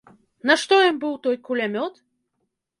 Нашто ім быў той кулямёт?